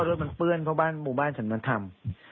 รถมันเปื้อนเพราะว่าบ้านหมานทำ